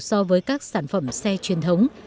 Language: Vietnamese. so với các sản phẩm xe truyền thống